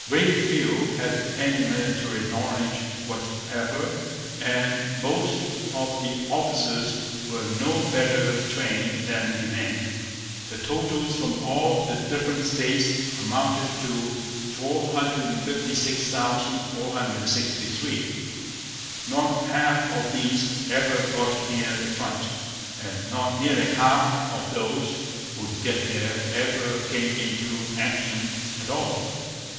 Very few had any military knowledge whatever; and most of the officers were no better trained than the men. The totals from all the different States amounted to 456,463. Not half of these ever got near the front; and not nearly half of those who did get there ever came into action at all.